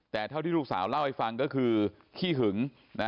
แต่เท่าที่ลูกสาวเล่าให้ฟังก็คือขี้หึง